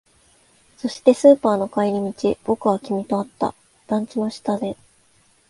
そして、スーパーの帰り道、僕は君と会った。団地の下で。